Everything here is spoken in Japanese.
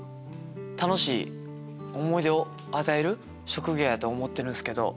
楽しい思い出を与える職業やと思ってるんすけど。